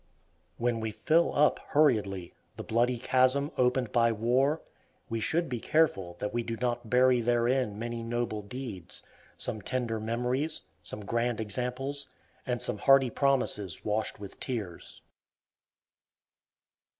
When we fill up, hurriedly, the bloody chasm opened by war, we should be careful that we do not bury therein many noble deeds, some tender memories, some grand examples, and some hearty promises washed with tears.